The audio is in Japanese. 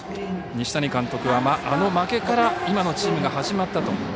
西谷監督はあの負けから今のチームが始まったと。